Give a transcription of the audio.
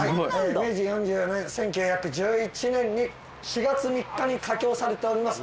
明治４４年１９１１年に４月３日に架橋されております。